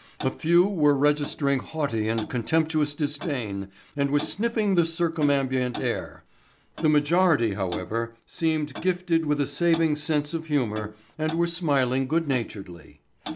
A few were registering haughty and contemptuous disdain and were sniffing the circumambient air. The majority, however, seemed gifted with a saving sense of humor and were smiling good naturedly.